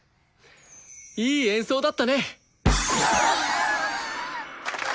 いい演奏だったね！